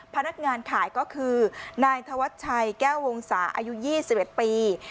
พนักงานขายก็คือนายธวัชชัยแก้ววงศาอายุ๒๑ปี